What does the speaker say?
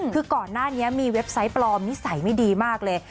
คือก่อนหน้านี้มีเว็บไซต์ปลอมนิสัยไม่ดีมากเลย